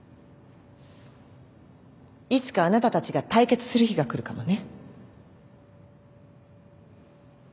いつかあなたたちが対決する日が来るかもね。